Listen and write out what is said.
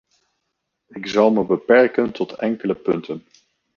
Ik zal me beperken tot enkele punten.